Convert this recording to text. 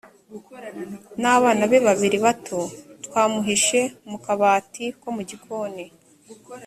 n abana be babiri bato twamuhishe mu kabati ko mu gikoni